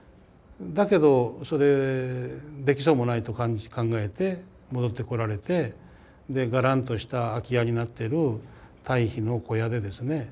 だけどそれできそうもないと感じ考えて戻ってこられてでガランとした空き家になってる堆肥の小屋でですね